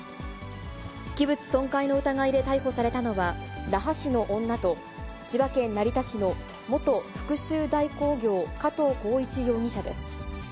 器物損壊の疑いで逮捕されたのは、那覇市の女と、千葉県成田市の元復しゅう代行業、加藤孝一容疑者です。